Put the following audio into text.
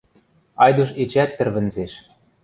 Айдуш эчеӓт тӹрвӹнзеш.